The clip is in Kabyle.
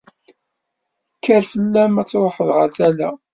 Kker fell-am ad truḥeḍ ɣer tala.